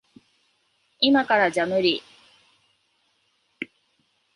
いまからじゃ無理。